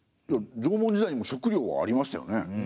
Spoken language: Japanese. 縄文時代にも食糧はありましたよね。